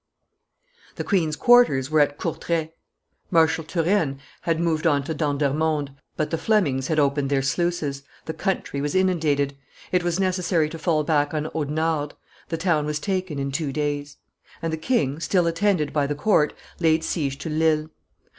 The queen's quarters were at Courtrai. Marshal Turenne had moved on Dendermonde, but the Flemings had opened their sluices; the country was inundated; it was necessary to fall back on Audenarde; the town was taken in two days; and the king, still attended by the court, laid siege to Lille.